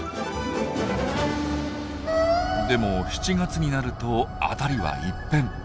でも７月になると辺りは一変。